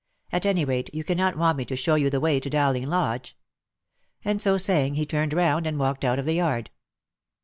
At any rate, you cannot want me to show you the way to Dowling Lodge." And so saying, he turned round, and walked out of the yard.